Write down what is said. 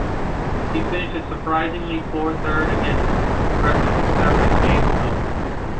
He finished a surprisingly poor third against Progressive Conservative James Cowan.